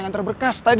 ngantar berkas tadi